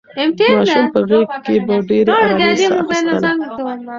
ماشوم په غېږ کې په ډېرې ارامۍ ساه اخیستله.